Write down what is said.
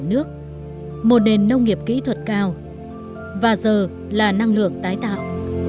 một nền nông nghiệp kỹ thuật cao và giờ là năng lượng tái tạo